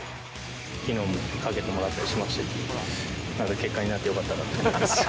きのうもかけてもらったりしましたけど、なんか、結果になってよかったなって思います。